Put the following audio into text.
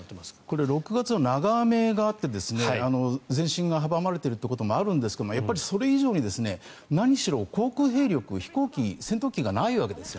これ、６月は長雨があって前進が阻まれているということもあるんですがそれ以上に何しろ航空兵力飛行機、戦闘機がないわけです。